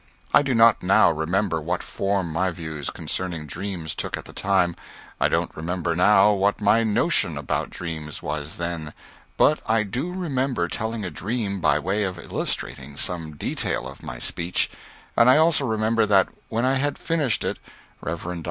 I do not now remember what form my views concerning dreams took at the time. I don't remember now what my notion about dreams was then, but I do remember telling a dream by way of illustrating some detail of my speech, and I also remember that when I had finished it Rev. Dr.